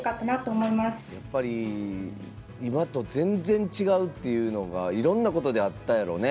やっぱり今と全然違うっていうのがいろんなことであったやろうね。